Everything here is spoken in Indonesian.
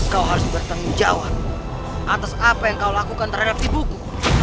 kau harus bertanggung jawab atas apa yang kau lakukan terhadap ibuku